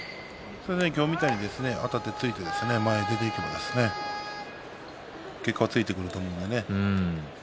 今日みたいにあたって突いて前に出ていけば結果はついてくると思うので。